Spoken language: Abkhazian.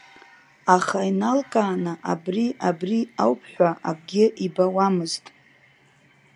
Аха иналкааны, абри-абри ауп ҳәа акгьы ибауамызт.